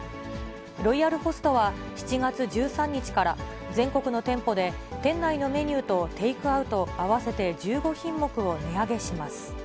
ロイヤルホストは７月１３日から、全国の店舗で、店内のメニューとテイクアウト、合わせて１５品目を値上げします。